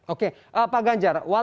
oke pak ganjar